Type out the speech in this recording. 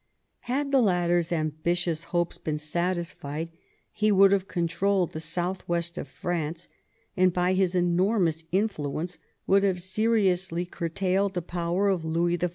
Had the latter's ambitious hopes been satisfied, he would have controlled the south west of France, and by his enormous influence would have seriously curtailed the power of Louis XIV.